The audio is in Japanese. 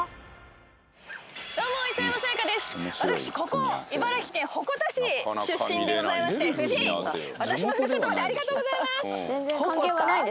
ここ茨城県鉾田市出身でございましてほこた？